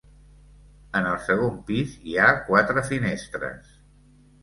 En el segon pis hi ha quatre finestres.